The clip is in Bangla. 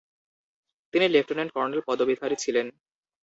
তিনি লেফট্যানেন্ট-কর্নেল পদবীধারী ছিলেন।